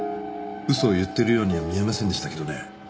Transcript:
嘘を言っているようには見えませんでしたけどね。